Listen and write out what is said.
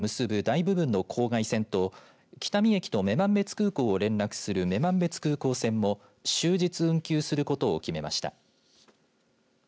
また、留辺蘂地区などを結ぶ大部分の郊外線と北見駅と女満別空港を結ぶ女満別空港線も終日運行することを決めました。